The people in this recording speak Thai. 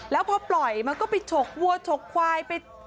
แล้วพอปล่อยมันก็ไปฉกวัวฉกควายไป